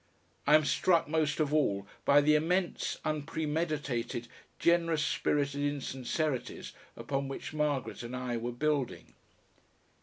I am struck most of all by the immense unpremeditated, generous spirited insincerities upon which Margaret and I were building.